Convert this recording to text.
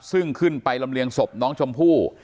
ซึ่งขึ้นไปลำเลียงศพน้องชมพู่